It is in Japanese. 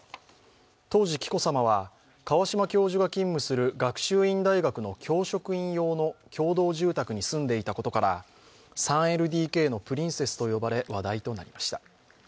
当時紀子さまは川嶋教授が勤務する学習院大学の教職員用の共同住宅に住んでいたことから３ＬＤＫのプリンセスと呼ばれ、話題となりました。